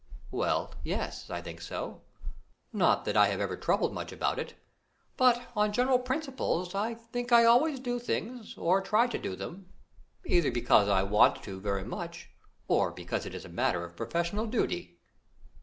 "Well, yes, I think so; not that I have ever troubled much about it, but on general principles, I think I always do things, or try to do them, either because I want to very much, or because it is a matter of professional duty."